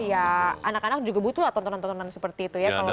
ya anak anak juga butuh lah tontonan tontonan seperti itu ya